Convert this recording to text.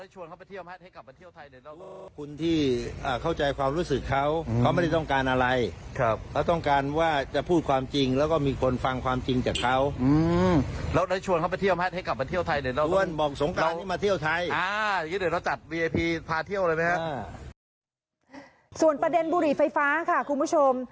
ส่วนประเด็นบุหรี่ไฟฟ้าค่ะคุณผู้ชม